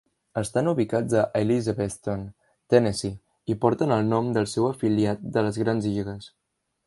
Estan ubicats a Elizabethton, Tennessee, i porten el nom del seu afiliat de les grans lligues.